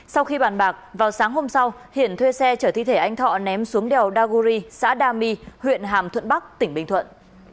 sau khi bàn bạc vào sáng hôm sau hiển thuê xe chở thi thể anh thọ ném xuống đèo daguri xã đa my huyện hàm thuận bắc tỉnh bình thuận